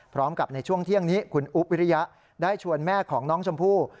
ในช่วงเที่ยงนี้คุณอุ๊บวิริยะได้ชวนแม่ของน้องชมพู่